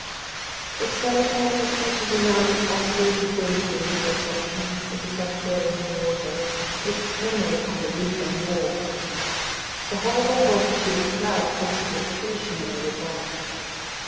The skeleton and the creatures around it oscillated vaguely in the reflections of the subterranean water which trembled upon the roof and wall. The horrible multitude of crabs looked as if finishing their repast.